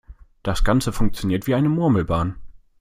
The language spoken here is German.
Das Ganze funktioniert wie eine Murmelbahn.